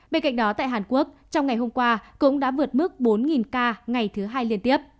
bên cạnh đó tại hàn quốc trong ngày hôm qua cũng đã vượt mức bốn ca ngày thứ hai liên tiếp